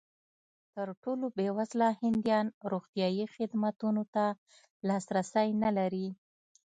تر ټولو بېوزله هندیان روغتیايي خدمتونو ته لاسرسی نه لري.